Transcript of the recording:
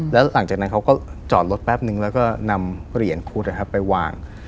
แล้วหลังจากนั้นเขาก็จอดรถแป๊บนึงแล้วก็นำเหรียญคุดไปวาง